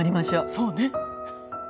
そうね。